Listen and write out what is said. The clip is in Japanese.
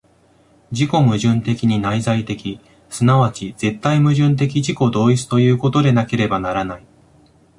自己矛盾的に内在的、即ち絶対矛盾的自己同一ということでなければならない。